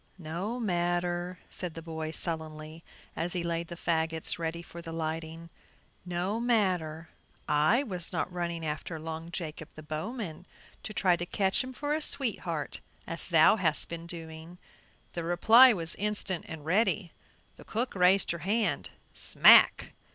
"No matter," said the boy, sullenly, as he laid the fagots ready for the lighting; "no matter, I was not running after Long Jacob, the bowman, to try to catch him for a sweetheart, as thou hast been doing." The reply was instant and ready. The cook raised her hand; "smack!"